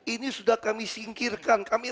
ini sudah kami singkirkan kami